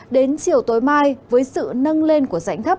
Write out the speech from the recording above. đến chiều tối mai với sự nâng lên của rãnh thấp